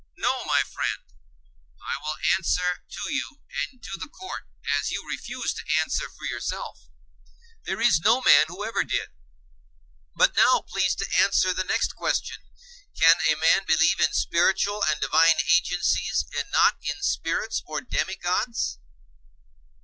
No, my friend; I will answer to you and to the court, as you refuse to answer for yourself. There is no man who ever did. But now please to answer the next question: Can a man believe in spiritual and divine agencies, and not in spirits or demigods?